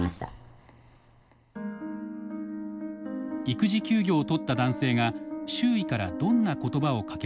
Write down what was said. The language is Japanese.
育児休業を取った男性が周囲からどんな言葉をかけられたのか。